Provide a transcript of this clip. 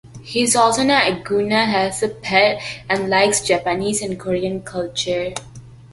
He also has an iguana as a pet and likes Japanese and Korean cultures.